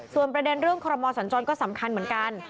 ส่วนประเด็นเรื่องคอรมอสัญจรก็สำคัญเหมือนกัน